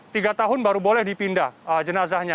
tiga tahun baru boleh dipindah jenazahnya